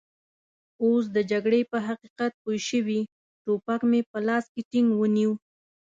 اوس د جګړې په حقیقت پوه شوي، ټوپک مې په لاس کې ټینګ ونیو.